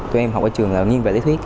tụi em học ở trường là nghiên về lý thuyết